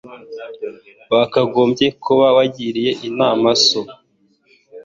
Wakagombye kuba wagiriye inama so.